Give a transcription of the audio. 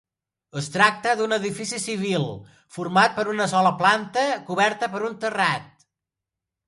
Es tracta d'un edifici civil format per una sola planta coberta per un terrat.